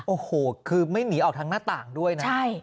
โอ้โหคือไม่หนีออกทางหน้าต่างด้วยนะ